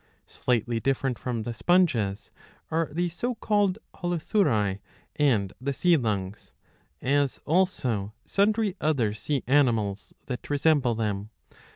Slightly different from the Sponges are the so called Holothuriae and the Sea lungs,^ as also sundry other sea animals that resemble them.